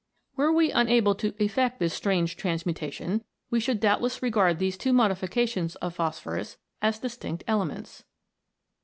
Were we unable to effect this strange transmutation, we should doubt less regard these two modifications of phosphorus as distinct elements.